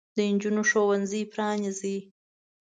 د نجونو ښوونځي پرانیزئ.